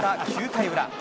９回裏。